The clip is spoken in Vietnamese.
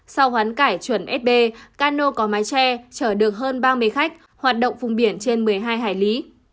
sau khoán cải chuẩn sb cano có máy che chở được hơn ba mươi khách hoạt động vùng biển trên một mươi hai hải lý